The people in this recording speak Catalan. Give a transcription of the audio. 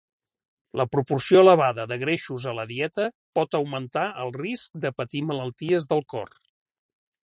La proporció elevada de greixos a la dieta pot augmentar el risc de patir malalties del cor.